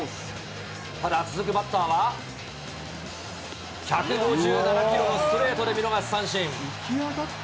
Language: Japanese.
ただ、続くバッターは、１５７キロのストレートで見逃し三振。